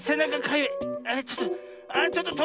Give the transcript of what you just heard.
ちょっと。